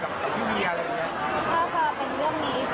ถ้าจะเป็นเรื่องนี้ก็จะตอบว่าไม่ใช่แน่นอนค่ะ